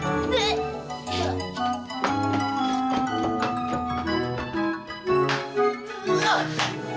kayaknya gue takut sama dia